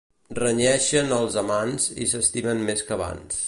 Renyeixen els amants i s'estimen més que abans.